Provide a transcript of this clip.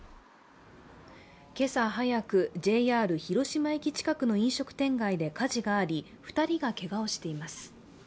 今朝早く、ＪＲ広島駅近くの飲食店街で火事があり、２人がけがをしています。